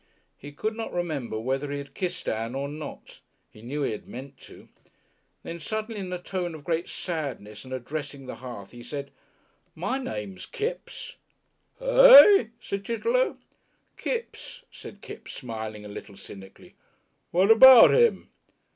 He could not remember whether he had kissed Ann or not he knew he had meant to. Then suddenly in a tone of great sadness and addressing the hearth he said, "My name's Kipps." "Eh?" said Chitterlow. "Kipps," said Kipps, smiling a little cynically. "What about him?"